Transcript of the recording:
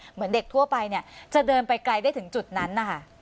เหมือนเด็กทั่วไปเนี่ยจะเดินไปไกลได้ถึงจุดนั้นนะคะ